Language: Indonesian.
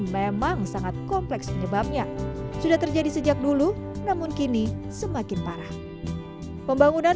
memang sangat kompleks penyebabnya sudah terjadi sejak dulu namun kini semakin parah pembangunan